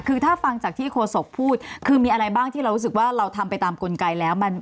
คือถ้าฟังจากที่โฆษกพูดคือมีอะไรบ้างที่เรารู้สึกว่าเราทำไปตามกลไกแล้ว